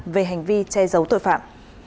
về hành vi che giấu tội phạm